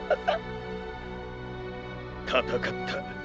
戦った。